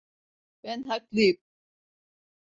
Ben haklıyım.